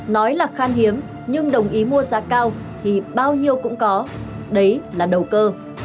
nói là khan hiếm nhưng đồng ý mua giá cao thì bao nhiêu cũng có đấy là đầu cơ